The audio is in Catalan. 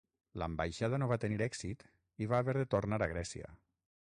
L'ambaixada no va tenir èxit i va haver de tornar a Grècia.